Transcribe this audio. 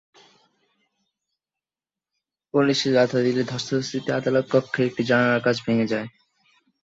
Police বাধা দিলে ধস্তাধস্তিতে আদালত কক্ষের একটি জানালার কাচ ভেঙে যায়।